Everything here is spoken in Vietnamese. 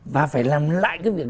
và phải làm lại cái việc